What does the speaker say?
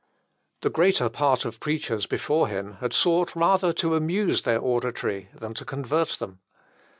The greater part of preachers before him had sought rather to amuse their auditory than to convert them.